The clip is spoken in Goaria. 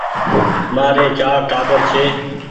مآري چآر ٽآٻر ڇي